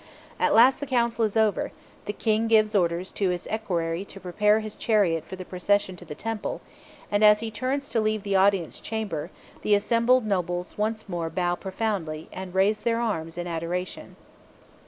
At last the council is over, the King gives orders to his equerry to prepare his chariot for the procession to the temple, and, as he turns to leave the audience chamber, the assembled nobles once more bow profoundly, and raise their arms in adoration.